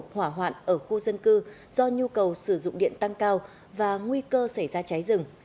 hỏa hoạn ở khu dân cư do nhu cầu sử dụng điện tăng cao và nguy cơ xảy ra cháy rừng